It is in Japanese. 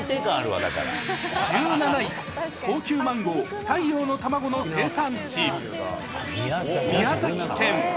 １７位、高級マンゴー、太陽のタマゴの生産地、宮崎県。